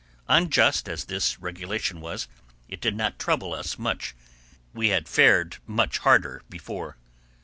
Unjust as this regulation was, it did not trouble us much; we had fared much harder before.